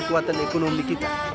ini kekuatan ekonomi kita